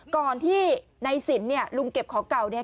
ก่อนที่ในสินเนี่ยลุงเก็บของเก่าเนี่ย